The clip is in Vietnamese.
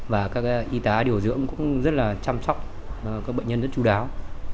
và các y tá điều dưỡng cũng rất là chăm sóc các bệnh nhân rất chú đáo